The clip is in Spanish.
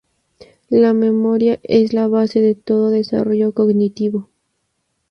La memoria es la base de todo desarrollo cognitivo.